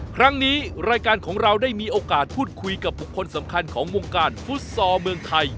ครั้งนี้รายการของเราได้มีโอกาสพูดคุยกับบุคคลสำคัญของวงการฟุตซอลเมืองไทย